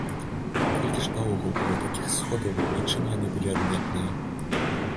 Колькі ж наогул было такіх сходаў і чым яны былі адметныя?